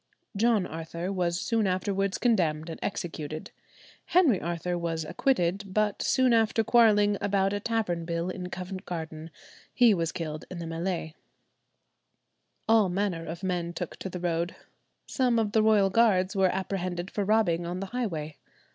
John Arthur was soon afterwards condemned and executed. Henry Arthur was acquitted, but soon after quarrelling about a tavern bill in Covent Garden, he was killed in the mêlée. All manner of men took to the road. Some of the royal guards were apprehended for robbing on the highway.